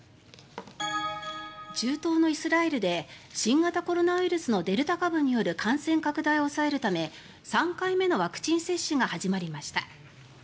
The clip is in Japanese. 中東のイスラエルで新型コロナウイルスのデルタ株による感染拡大を抑えるため３回目のワクチン接種が始まりました。